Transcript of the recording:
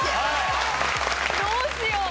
どうしよう。